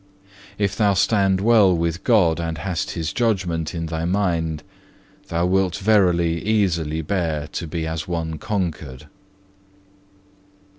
If thou stand well with God and hast His judgment in thy mind, thou wilt verily easily bear to be as one conquered."